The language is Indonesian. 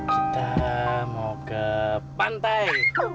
kita mau ke pantai